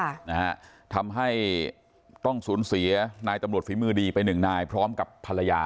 ค่ะนะฮะทำให้ต้องสูญเสียนายตำรวจฝีมือดีไปหนึ่งนายพร้อมกับภรรยา